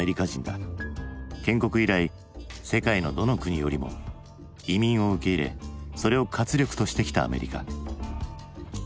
建国以来世界のどの国よりも移民を受け入れそれを活力としてきたアメリカ。